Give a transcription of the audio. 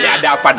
ya dapat dut